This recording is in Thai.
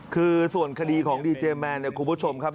คือส่วนคดีของดีเจแมนเนี่ยคุณผู้ชมครับ